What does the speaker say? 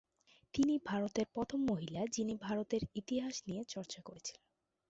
তিনি ভারতের প্রথম মহিলা যিনি ভারতের ইতিহাস নিয়ে চর্চা করেছিলেন।